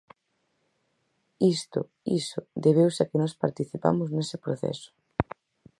Isto iso debeuse a que nós participamos nese proceso.